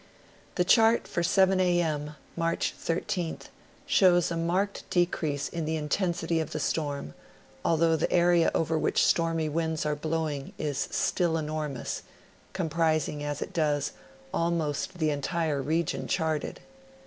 The chart for 7 a. m., March 13th, shows a marked decrease in the intensity of the storm, although the area over which stormy winds ate blowing is still enormous, comprising, as it does, almost the entire region charted.